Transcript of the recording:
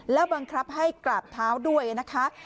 แล้วบังคับให้กราบเท้าด้วยนะคะ